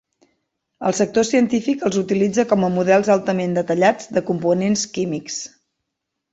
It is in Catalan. El sector científic els utilitza com a models altament detallats de components químics.